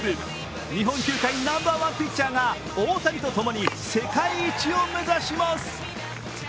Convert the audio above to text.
日本球界ナンバーワンピッチャーが大谷とともに世界一を目指します。